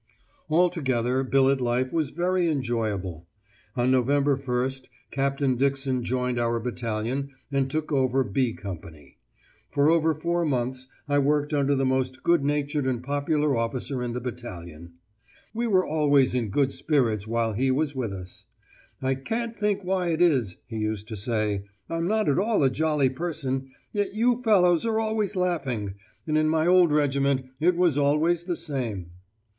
Altogether, billet life was very enjoyable. On November 1st Captain Dixon joined our battalion and took over "B" Company. For over four months I worked under the most good natured and popular officer in the battalion. We were always in good spirits while he was with us. "I can't think why it is," he used to say, "I'm not at all a jolly person, yet you fellows are always laughing; and in my old regiment it was always the same!"